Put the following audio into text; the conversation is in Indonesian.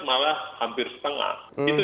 malah hampir setengah itu